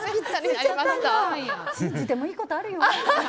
信じてもいいことあるよ？